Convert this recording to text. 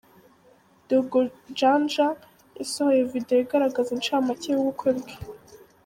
Dogo Janja yasohoye video igaragaza incamake y’ubukwe bwe.